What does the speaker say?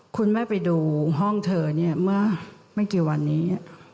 คุณแม่ไปดูห้องเธอเนี่ยเมื่อไม่กี่วันนี้